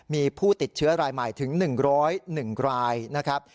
มีผู้ติดเชื้อรายใหม่ถึง๑๐๑รายนะครับ